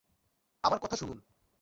আমার কথা শুনুন!